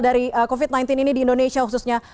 dari covid sembilan belas ini di indonesia khususnya